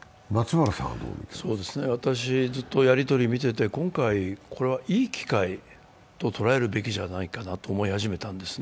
私、ずっとやり取り見ていて今回これはいい機会と捉えるべきじゃないかなと思い始めたんですね。